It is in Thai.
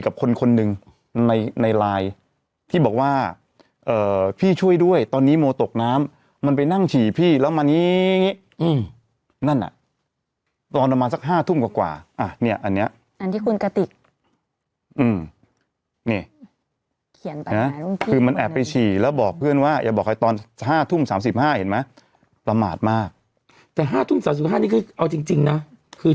คนหนึ่งในในลายที่บอกว่าเอ่อพี่ช่วยด้วยตอนนี้โมตกน้ำมันไปนั่งฉี่พี่แล้วมานี้อืมนั่นน่ะตอนประมาณสักห้าทุ่มกว่ากว่าอ่ะเนี่ยอันเนี้ยอันที่คุณกติกอืมเนี่ยเขียนไปนะคือมันแอบไปฉี่แล้วบอกเพื่อนว่าอย่าบอกใครตอนห้าทุ่มสามสิบห้าเห็นไหมประมาทมากแต่ห้าทุ่มสามสิบห้านี่คือเอาจริงจริงนะคือ